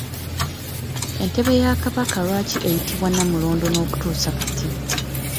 Entebe ya Kabaka lwaki yayitibwa Namulondo n’okutuusa kati?